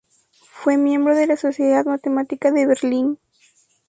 Fue miembro de la Sociedad Matemática de Berlín.